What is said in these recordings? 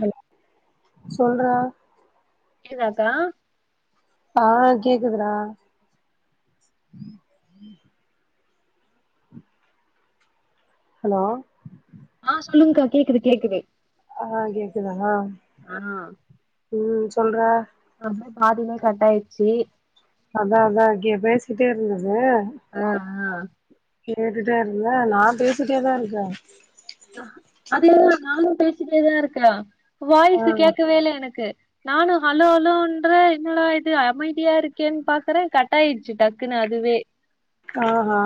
hello சொல்றா கேக்குதாக்கா ஆ கேக்குதுடா ஹலோ ஆ சொல்லுங்க்கா கேக்குது கேக்குது ஆ கேக்குதா ஆ ம் சொல்றா அம்மே பாதிலயே கட்டாயிர்ச்சி அதா அதா அங்கே பேசிகிட்டே இருந்தது ஆ ஆ கேட்டுட்டே இருந்தே நா பேசிட்டேதா இருக்கே அதேதா நானு பேசிட்டேதா இருக்கே ஆ வாயிசு கேட்கவே இல்ல எனக்கு நானு ஹலோ ஹலோன்றே என்னடா இது அமைதியா இருக்கேன்னு பாக்குறே கட்டாயிடுச்சி டக்குன்னு அதுவே ஆ ஹா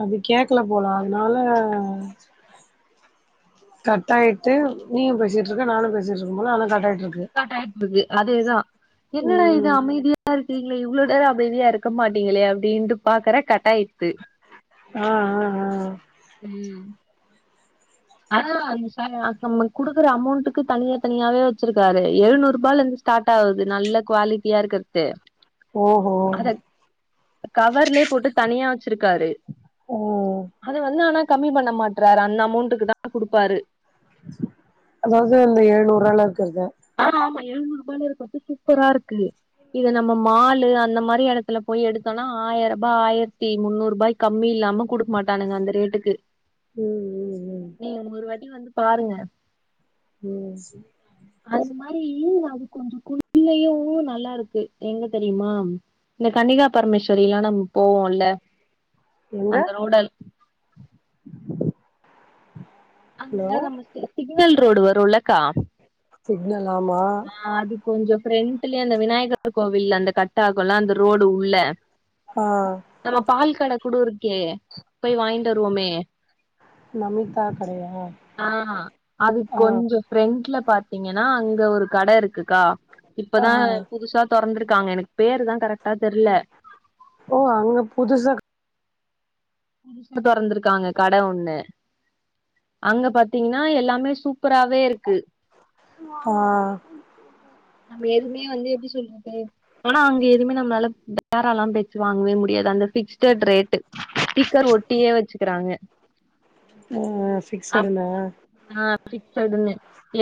அப்ப கேக்கல போலா அதுனால கட் ஆயிட்டு நீயு பேசிட்டுருக்க நானு பேசிட்ருக்கும் போது ஆனா கட் ஆயிட்டுருக்கு கட் ஆயிட்ருக்கு அதேதா என்னடா இது ம் அமைதியா இருக் நீங்களே இவ்ளோ நேரோ அமைதியா இருக்க மாட்டீங்களே அப்டிட்டு பாக்குறே கட்டாயிர்ச்சி ஆ ஆ ஆ ம் அதா அந்த சார் நம்மளுக்கு குடுக்குற அமௌண்ட்க்கு தனியா தனியாவே வச்சிருக்காரு எழுநூறு ரூபாய்ல இருந்து ஸ்டார்ட் ஆகுது நல்ல குவாலிட்டியா இருக்றது ஓஹோ கவர்லயே போட்டு தனியா வச்சிருக்காரு ஆ அத வந்து ஆனா கம்மி பண்ண மாட்றாரு அந்த அமௌண்ட்டக்கு தா குடுப்பாரு அந்த இது வந்து ஏழுநூறுவால இருக்றது ஆ ஆமா எழுநூறு ரூபால இருக்கர்து சூப்பரா இருக்கு இது நம்ம மால் அந்த மாரி எடத்துல போய் எடுத்தோன்னா ஆயிர ரூபா ஆயிரத்தி முந்நூறு ரூபாய்க்கு கம்மி இல்லாம குடுக்க மாட்டானுங்க அந்த ரேட்டுக்கு ம் ம் நீங்க ஒரு வாட்டி வந்து பாருங்க ம் செரி அது மாரி அது கொஞ்சோ குள்ளையு நல்லா இருக்கு எங்க தெரியுமா இந்த கன்னிகா பரமேஸ்வரில்லா நம்ம போவோல்ல எங்க அங்க ஹலோ நம்ம சிக்னல் ரோடு வரு இல்லக்கா சிக்னல் ஆமா அது கொஞ்சோ ஃப்ரெண்ட்ல அந்த விநாயகர் கோவில் அந்த கட் ஆகுல்ல அந்த ரோடு உள்ள ஆ நம்ம பால் கட கூட இருக்கே போய் வாங்கிட்டு வருவோமே அக்கா கடையா ஆ அதுக்கு ஆ கொஞ்சோ ஃப்ரெண்ட்ல பாத்தீங்கன்னா அங்க ஒரு கடை இருக்குக்கா ஆ இப்பதா புதுசா தொறந்துருக்காங்க எனக்கு பேரு தா கரெக்டா தெரில ஓ அங்க புதுசா புதுசா தொறந்துருக்காங்க கடை ஒண்ணு அங்க பாத்தீங்கன்னா எல்லாமே சூப்பராவே இருக்கு ஆ நாம எதுவுமே வந்து எப்டி சொல்றது ஆனா அங்க எதுவுமே நம்மளால பேரலாம் பேச்சி வாங்கவே முடியாது அந்த பிக்ஸ்டட் ரேட்டு ஸ்டிக்கர் ஒட்டியே வச்சிகிறாங்க ஆ பிக்ஸ்டுனா ஆ பிக்ஸடுன்னு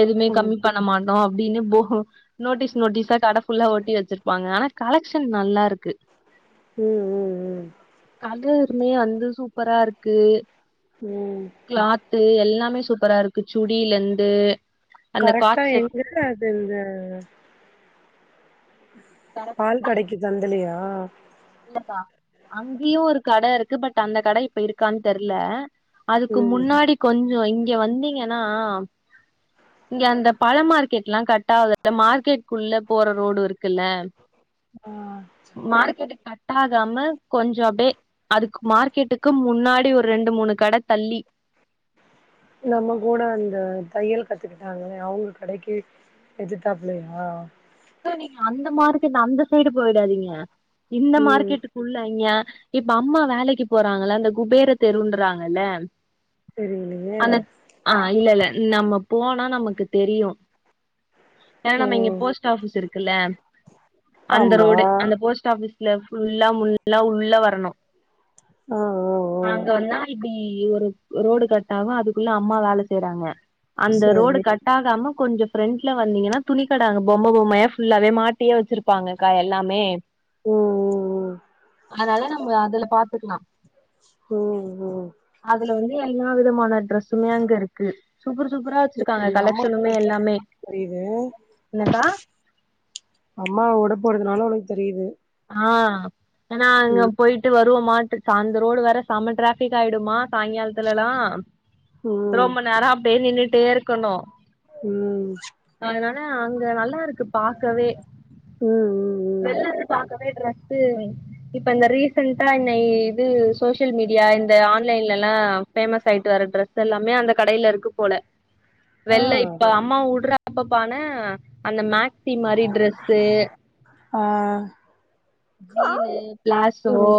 எதுமே ம் கம்மி பண்ண மாட்டோம் அப்டின்னு போ நோட்டீஸ் நோட்டீஸா கட ஃபுல்லா ஒட்டி வச்சிருப்பாங்க ஆனா கலக்ஷன் நல்லா இருக்கு ம் ம் ம் கலருமே வந்து சூப்பரா இருக்கு ம் கிளாத்து எல்லாமே சூப்பரா இருக்கு சுடி லெந்து கரெக்ட்டா எங்க அது இது தட பால் கடைக்கு தந்தலியா இல்லப்பா அங்கியும் ஒரு கட இருக்கு பட் அந்த கடை இப்ப இருக்கான் தெர்ல அதுக்கு ம் முன்னாடி கொஞ்சம் இங்க வந்தீங்கன்னா இங்க அந்த பழம் மார்க்கெட்லாம் கட் ஆகுது இல்ல மார்க்கெட்குள்ள போற ரோடு இருக்குல்ல ஆ மார்க்கெட்டு கட் ஆகாம கொஞ்ச அப்டே அதுக்கு மார்க்கெட்டுக்கு முன்னாடி ஒரு ரெண்டு மூணு கட தள்ளி நம்ம கூட அந்த தையல் கத்துக்கிட்டாங்களே அவுங்க கடைக்கு எதுத்தாப்ளயா கு நீங்க அந்த மார்க்கெட் அந்த சைடு போய்டாதீங்க இந்த ம் மார்க்கெட்டு குள்ள ஏ இப்ப அம்மா வேலைக்கு போறாங்கள அந்த குபேர தெருன்றாங்கல்ல தெரியலையே அந்த ஆ இல்ல இல்ல நம்ம போனா நமக்கு தெரியும் ஏனா நம்ம இங்க ம் போஸ் ட்ஆபிஸ் இருக்குல்ல அந்த ஆமா ரோடு அந்த போஸ்ட் ஆபிஸ் ல ஃபுல்லா முள்ளா உள்ள வரணும் ஆ ஆ ஆ அங்க வந்தா இப்டி ஒரு ரோடு கட் ஆகும் அதுக்குள்ள அம்மா வேல செய்றாங்க அந்த ரோடு சரி கட் ஆகாம கொஞ்சம் ஃப்ரண்ட்ல வந்தீங்கன துணி கட ங்க பொம்ம பொம்மயா ஃபுல்லாவே மாட்டியே வச்சிருப்பாங்கக்கா எல்லாமே ம் ம் ம் அதனால நம்ந அதுல பாத்துகிலா ம் ம் அதுல வந்து எல்லா விதமான ட்ரஸ் சுமையா இங்க இருக்கு சூப்பர் சூப்பரா வச்சிருக்காங்க கலக்ஷனுமே எல்லாமே புரியிது என்னக்கா அம்மா உட போறதுனால உனக்கு தெரியிது ஆ ஏனா அங்க போயிட்டு வருவோமாட்டு ச அந்த ரோடு வேற செம டிராஃபிக் ஆயிடுமா சாயங்காலத்துலலா ம் ரொம்ப நேரம் அப்டே நின்னுட்டே இருக்கணும் ம் அதனால அங்க நல்லா இருக்கு பாக்கவே ம் ம் ம் வெள்ல இருந்து பாக்கவே டிரஸ்ஸு இப்ப இந்த ரீசன்ட்டா இன்னை இது சோசியல் மீடியா இந்த ஆன்லைன்லெல்லா ஃபேமஸ் ஆயிட்டு வர டிரெஸ் ஸெல்லாமே அந்த கடையில இருக்கு போல ஆ வெள்ள இப்ப அம்மா வுட்ற அப்பப்பான அந்த மேக்சி மாரி ட்ரெஸ்ஸு ஆ ஜீனு ப்ளாசோ ம்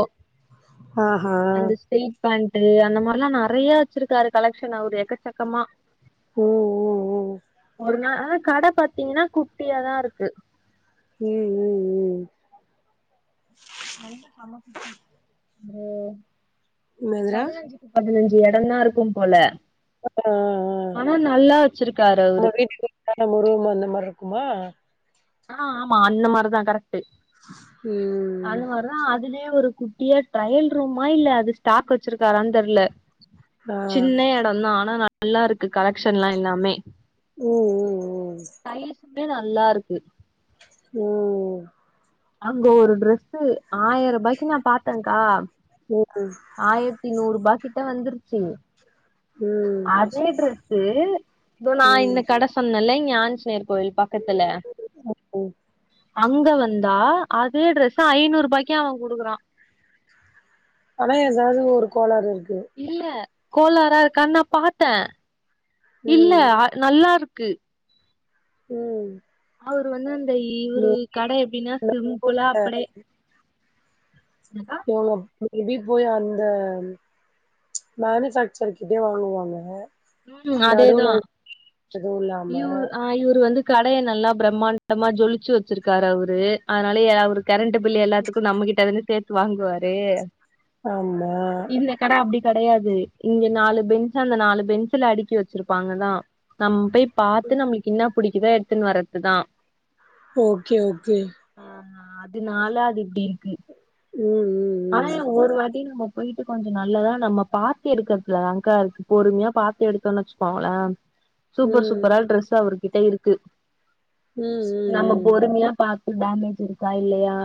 ஆஹா அந்த ஸ்டெய் பேண்டு அந்த மார்ல்லா நெறைய வச்சிருக்காரு கலெக்ஷனு அவுரு எக்கச்சக்கமா ம் ம் ஒரு நாள் அ கட பத்தீங்கினா குட்டியாதா இருக்கு ம் ம் ம் நல்லா சம்ம குட்டி ஒரு என்னதுடா பதினஞ்சு பதினஞ்சு எடந்தா இருக்கும் போல ஆ ஆ ஆனா நல்லா வெச்சிருக்காரு அவுரு கட [unintelligible] அந்த மார்ருக்குமா ஆ ஆமா அந்த மாரிதா கரெக்ட்டு ம் அந்த மாரிதா ஆனா அதுலியு ஒரு குட்டியா ட்ரயல் ரூமா இல்ல அது ஸ்டாக் வெச்சிருக்காரான் தெர்ல ஆ சின்ன எடந்தா ஆனா நல்லா இருக்கு கலெக்ஷன்லா எல்லாமே ம் ம் சைசுமே நல்லாருக்கு ம் அங்க ஒரு ட்ரெஸ்ஸு ஆயருபாய்க்கு நா பாத்தேங்கா ம் ஆயர்த்தி நூறுபா கிட்ட வந்துருச்சு ம் ம் அதே ட்ரெஸ்ஸு தோ நா ம் இன்ன கட சொன்னல்ல இங்க ஆஞ்சநேயர் கோயில் பக்கத்துல ம் அங்க வந் தா அதே ட்ரெஸ்ஸ ஐநூறுபாய்க்கு அவங் குடுக்குறா ஆனா எதாவ்து ஒரு கோளாறு இருக்கு இல்ல கோளாரா இருக்கான் நா பாத்தே இல்ல ம் அ நல்லாருக்கு ம் அவுரு வந்து இந்த இவுரு கட எப்டினா சிம்புலா அப்படே என்னா போனம் மேபி போய் அந்த மேனிஃபேக்ச்சர் கிட்டே வாங்குவாங்க ம் அதோ நடுவுல எதுவு இல்லாம இவுர் அ ஆ இவுரு வந்து கடைய நல்லா பிரம்மாண்டமா ஜொலிச்சு வெச்சிருக்காரு அவுரு அதனாலயே அவுரு கரண்ட் பில்லு எல்லாத்துக்கு நம்மகிட்ட‌தான சேத்து வாங்குவாரு ஆமா இந்த கட அப்டி கெடையாது இங்க நாலு பெஞ்சு அந்த நாலு பெஞ்சுல அடிக்கி வெ ச்சிருப்பாங்கதா நம் போய் பாத்து நம்மளுக் இன்ன பிடிக்குதோ எடுத்துன் வர்றத்துதா ஓகே ஓகே அ அதுனால அது இப்டி இருக்கு ம் ம் ஆனா இங் ஒருவாட்டி நம்ம போ போயிட்டு கொஞ்சோ நல்லதா நம்ம பாத்து எடுக்கற்துல தாங்கா இருக்கு பொறும்யா பாத்து எடுத்தோன் வெச்சுக்கோங்களே சூப்பர் ம் சூப்பரா ட்ரெஸு அவுருகிட்ட இருக்கு ம் ம் ம் நம்ம ம் பொறுமியா பாத்து டேமேஜ் இருக்கா இல்லயா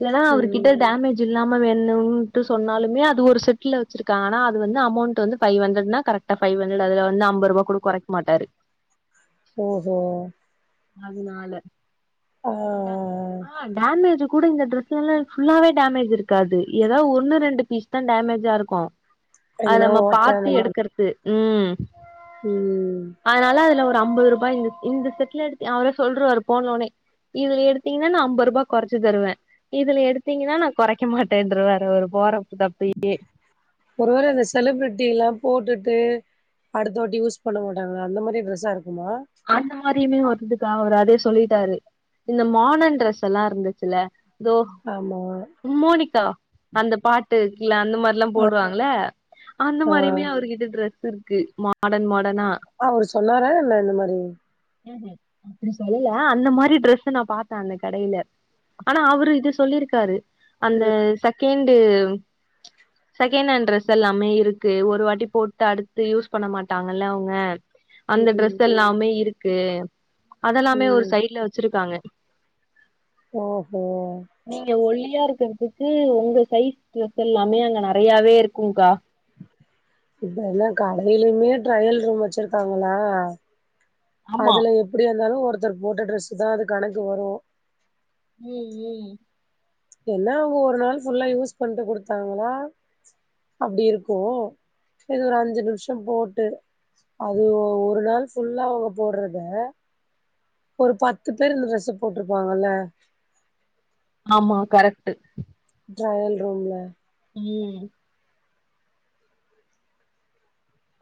இல்லனா ம் ம் அவருகிட்ட டேமேஜ் இல்லாம வேணுன்ட்டு சொன்னாலுமே அது ஒரு செட்ல வெச்சிருக்காங்க ஆனா அது வந்து அமெண்டு வந்து ஃபை ஹண்ட்ரட்னா கரெக் டா ஃபை ஹண்ட்ரட் அதுல வந்து ஐம்பர்பா கூட கொறைக்க மாட்டாரு ஓஹோ அதுனால ஆ ஆ டேமேஜ் கூட இந்த டிரஸ் சிலது ஃபுல்லாவே டேமேஜ் இருக்காது எதா ஒன்னு ரெண்டு பீஸ் தா டேமேஜா இருக்கு அது எங்கன்னா நம்ம ஓட்ட பாத்து அந்த மாரி எடுக்கறது ம் ம் அதனால அதுல ஒரு அம்பது ரூபா இந்த இந்த செட்ல எடுத்து அவரே சொல்ருவாரு போனோன்னே இதுல எடுத்தீங்கன்னா நா அம்பது ருபா கொறச்சி தருவ இதுல எடுத்தீங்கன்னா நா கொறைக் கொறைக்க மாட்டேன்றுவாரு அவரு போற தப்பே ஒரு வேல இந்த செலிபிரிட்டி எல்லா போட்டுட்டு அடுத்த வாட்டி யூஸ் பண்ண மாட்டாங்க அந்த மாரி ட்ரெஸ்ஸா இருக்குமா அந்த மாரியுமே வருதுக்கா அவர் அதையு சொல்லிட்டாரு இந்த மாடர்ன் ட்ரெஸ் எல்லா இருந்துச்சுல இதோ ஆமா மோனிகா அந்த பாட்டுக்ல அந்த மார்ல்லா போடுவாங்கள அந்த ஆ மாரியுமே அவர்கிட்ட ட்ரெஸ் இருக்கு மாடர்ன் மாடர்னா அவரு சொன்னார என்ன இந்த மாரி ம்ஹு அப்டி சொல்லல அந்த மாரி ட்ரெஸ் நா பாத்த அந்த கடையில ஆனா அவுரு இது சொல்லிருக்காரு அந்த செகண்டு் செகண்ட் ஹாண்ட் ட்ரெஸ் எல்லாமே இருக்கு ஒரு வாட்டி போட்டு அடுத்து யூஸ் பண்ண மாட்டாங்கல்ல அவுங்க அந்த ம் ட்ரெஸ் எல்லாமே இருக்கு அதெல்லாமே ஒரு ம் சைட்ல வச்சுருக்காங்க ஓஹோ நீங்க ஒல்லியாருக்கிறத்துக்கு உங்க சைஸ் ட்ரஸ் எல்லாமே அங்க நெறையாவே இருக்குங்க்கா இப்ப எல்லா கடையிலயுமே ட்ரையல் ரூம் வச்சுருக்காங்கலா ஆமா அதுல எப்டியாருந்தாலு ஒருத்தர் போட்ட ட்ரெஸ்ஸு தா அது கணக்கு வரு ம் ம் என்ன அவுங்க ஒரு நாள் ஃபுல்லா யூஸ் பண்ட்டு குடுத்தாங்கனா அப்டி இருக்கு‌ எது ஒரு அஞ்சு நிமிஷம் போட்டு அது ஒ ஒரு நாள் ஃபுல்லா அவுங்க போட்றத ஒரு பத்து பேர் இந்த ட்ரஸ்ஸ போட்ருப்பாங்கல்ல ஆமா கரெக்ட்டு ட்ரையல் ரூம்ல ம்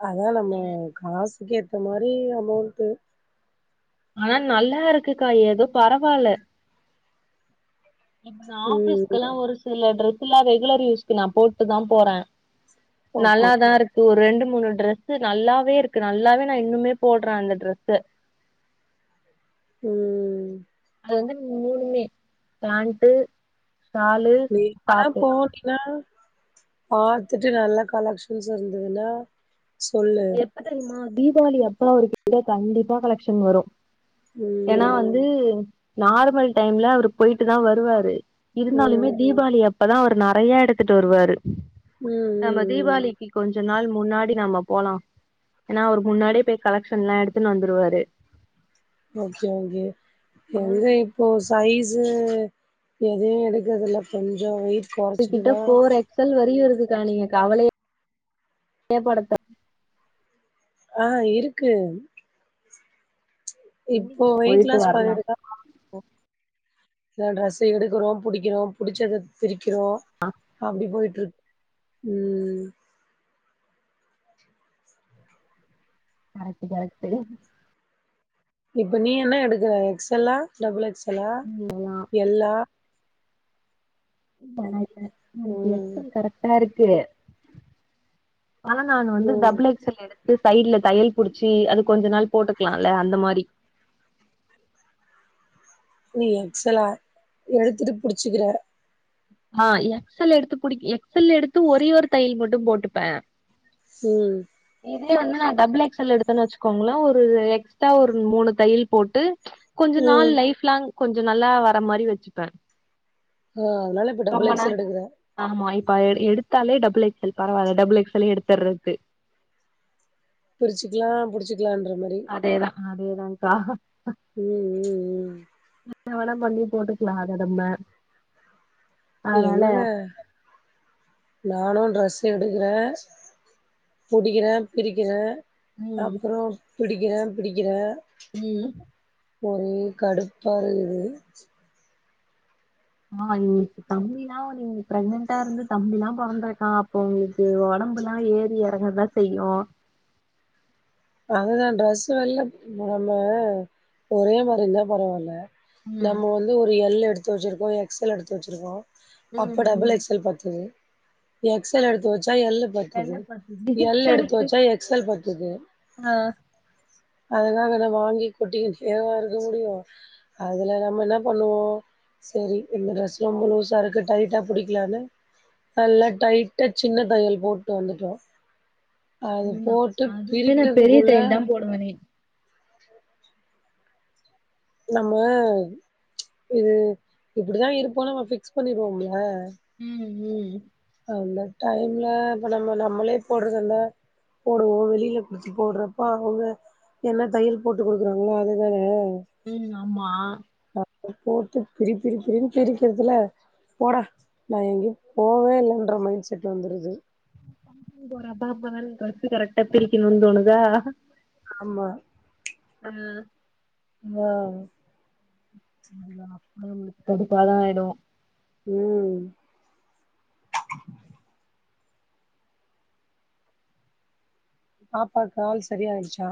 அதா நம்ம காசுக்கு ஏத்த மாரி அமௌண்ட்டு ஆனா நல்லாருக்குக்கா ஏதோ பரவால்ல இப்ப நா ம் ஆஃபீஸ்க்லா ஒரு சில ட்ரெஸ்லா ரெகுலர் யூஸ்க்கு நா போட்டுதா போற ஓகே நல்லாதாருக் ஒரு ரெண்டு மூணு ட்ரெஸ்ஸு நல்லாவேருக்கு நல்லாவே நா இன்னுமே போட்ற அந்த ட்ரெஸ்ஸ ம் அது வந்து மூணுமே பேண்ட்டு ஷாலு நீ எப்பனா டாப்பு போனீன்னா பாத்துட்டு நல்ல கலெக்ஷன்ஸ் இருந்துதுனா சொல்லு எப்பத் தெரியுமா தீபாவளி அப்ப அவுருக்கிட்ட கண்டிப்பா கலெக்ஷன் வரு ம் ஏனா வந்து நார்மல் டைம்ல அவரு போயிட்டு தா வருவாரு இருந்தாலுமே ம் தீபாவளி அப்பதா அவரு நெறைய எடுத்துட்டு வருவாரு ம் ம் நம்ம ம் தீபாவளி க்கி கொஞ்ச நாள் முன்னாடி நம்ம போலா ஏனா அவரு முன்னாடியே போய் கலெக்ஷன்லா எடுத்துன் வந்துருவாரு ஓகே ஓகே எங்க அவரு இப்போ சைஸு எதையு எடுக்கதுல கொஞ்சோ வெயிட் க்குகிட்ட கொறச்சிட்டுதா ஃபோர் எக்ஸல் வரையு இருக்குக்கா நீங்க கவலையே [inaudible] அ இருக்கு இப்போ வெயிட் போயிட்டு லாஸ் வரலா பன்னிட்டுதா [inaudible] இந்த ட்ரெஸ்ஸ எடுக்குறோ புடிக்கிறோ புடிச்சத பிரிக்கிறோ அப்டி போயிட்ருக் ம் கரெக்ட்டு கரெக்ட்டு இப்ப நீ என்ன எடுக்குற எக்ஸலா டபுள் எக்ஸலா ம் எல்லா எனக்கா எனக்கு ம் எக்ஸல் கரெக்டா இருக்கு ஆனா நானு வந்து ம் டபுளெக் ஸல் எடுத்து சைட்ல தையல் புடுச்சி அது கொஞ்ச நாள் போட்டுக்லால்ல அந்த மாரி நீ எக்ஸலா எடுத்துட்டு புடுச்சுக்குற ஆ எக்ஸல் எடுத்து புடி எக்ஸல் எடுத்து ஒரே ஒரு தையல் மட்டு போட்டுப்பே ம் இதே வந்து நா டபுள் எக்ஸல் எடுத்தன் வச்சுக்கோங்களே ஒரு எக்ஸ்ட்டா ஒரு மூனு தையல் போட்டு கொஞ்ச ம் நாள் லைஃப் லாங் கொஞ்சொ நல்லா வர மாரி வச்சுப்பே ஒ அதுனாலப் ரொம்ப நா ஆமா இப்ப எடுத்தாலே டபுள் எக்ஸ் எல் பரவால்ல டபுள் எக்ஸ் எல்லே எடுத்துறது பிரிச்சுக்கலா புடிச்சுக்கலான்ற மாரி அதேதா அதேதாங்கா ம் ம் ம் என்ன வேனா பண்ணி போட்டுக்கலா அத நம்ம அதனால எங்க நானு ட்ரெஸ் எடுக்கறே புடிக்கிறே பிரிக்கிறே ம் அப்பறொ புடிக்கிறே பிடிக்கிறே ம் ஒரே கடுப்பா வருது ஆ இன்னக்கி தம்பில்லா வந்து நீங்க பிரெக்னன்டா இருந்து தம்பில்லா பொறந்துருக்கா அப்போ ஒடம்புலா ஏறி எறங்கதா செய்யு அததா ட்ரெஸ் வெல்ல போன ஒரே மாரி இருந்தா பரவால்ல ம் நம்ம வந்து ஒரு எல் எடுத்து வச்சுருக்கோ எக்ஸ் எல் எடுத்து வச்சுருக்கோ ம் அப்ப டபுள் ம் எக்ஸ்எல் பத்துது எக்ஸ் எல் எடுத்து வச்சா எல்லு பத்துது கேள்விப்பட்ருக்கே எல் எடுத்து வச்சா எக்ஸ் எல் பத்துது அ அதுக்காக நம்ம வாங்கி கொட்டிக்கிட்டேவா இருக்க முடியு அதுல நம்ம என்ன பண்ணுவோ செரி இந்த டிரெஸ்லா ரொம்ப லூஸா இருக்கு டைட்டா புடிக்கலானு நல்லா டைட்டா சின்ன தையல் போட்டு வந்துட்டோ அது போட்டு [inaudible] அதுவுமே நா பெரிய பிரிக்கிறதுக்குள்ள தையல் தா போடுவேனே நம்ம இது இப்புடிதா இருப்போனு நம்ம ஃபிக்ஸ் பண்ணிருவோம்ல ம் ம் அந்த டைம்ல இப்ப நம்ம நம்மளே போட்றதுல்ல போடுவோ வெளில புடுச்சு போடுறப்ப அவுக என்ன தையல் போட்டு குடுக்குறாங்களோ அதுதானே ம் ஆமா அப்ப போட்டு பிரி பிரி பிரின்னு பிரிக்கிறதுல போட நா எங்கயு போவே இல்லன்ற மைண்ட் செட் வந்துடுது போறப்ப அப்பா நல் டிரஸ்சு கரெக்டா பிரிக்கனு தோணுதா ஆமா ம் அ ஆமா நம்மளுக் கடுப்பாதா ஆயிடு ம் பாப்பாக் கால் சரியாயிர்ச்சா